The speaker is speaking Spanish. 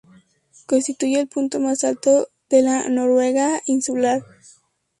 Constituye el punto más alto de la Noruega insular.